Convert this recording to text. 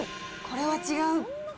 これは違う。